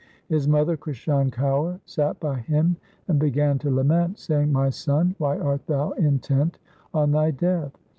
His mother Krishan Kaur sat by him and began to lament, saying, ' My son, why art thou intent on thy death